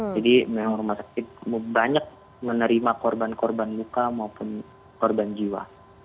jadi memang rumah sakit banyak menerima korban korban muka maupun korban jiwa